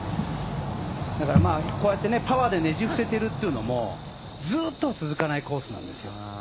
だからパワーでねじ伏せるというのもずっとは続かないコースなんですよ。